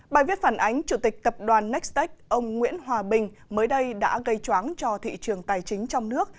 bài viết phản ánh chủ tịch tập đoàn nextech ông nguyễn hòa bình mới đây đã gây choáng cho thị trường tài chính trong nước